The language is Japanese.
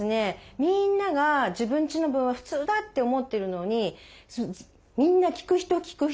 みんなが自分ちの分は普通だって思ってるのにみんな聞く人聞く人